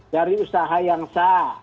dari usaha yang sah